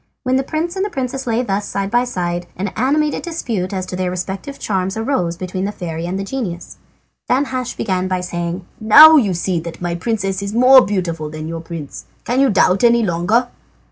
When the prince and princess lay thus side by side, an animated dispute as to their respective charms arose between the fairy and the genius. Danhasch began by saying: "Now you see that my princess is more beautiful than your prince. Can you doubt any longer?"